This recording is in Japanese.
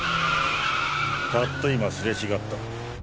たった今すれ違った。